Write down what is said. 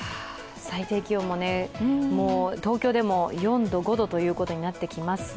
最低気温も東京でも４度、５度ということになってきます。